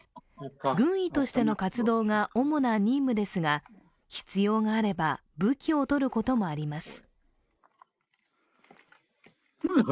軍医としての活動が主な任務ですが、必要があれば、武器を取ることもあります。